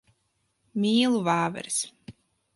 Mīlu vāveres.